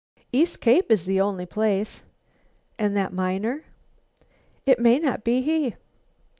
"East Cape is the only place." "And that miner?" "It may not be he."